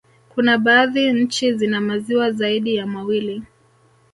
Kuna baadhi nchi zina maziwa zaidi ya mawili